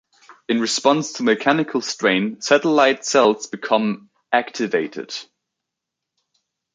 In response to mechanical strain, satellite cells become "activated".